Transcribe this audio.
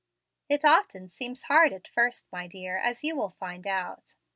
It often seems hard at first, my dear, as you will find out.